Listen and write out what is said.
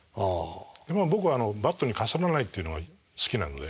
僕はバットにかすらないっていうのが好きなので。